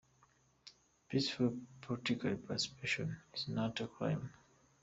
Peaceful political participation is not a crime.